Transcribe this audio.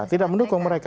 tidak mendukung mereka